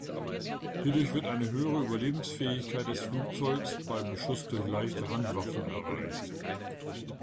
Hierdurch wird eine höhere Überlebensfähigkeit des Flugzeuges bei Beschuss durch leichte Handwaffen erreicht.